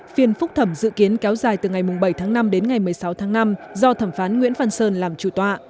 phiên phúc thẩm dự kiến kéo dài từ ngày bảy tháng năm đến ngày một mươi sáu tháng năm do thẩm phán nguyễn phan sơn làm chủ tọa